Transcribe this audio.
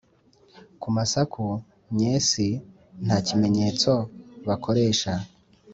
ku masaku nyesi nta kimenyetso bakoresha